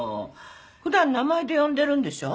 普段名前で呼んでるんでしょ？